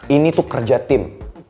ini tuh kerja tim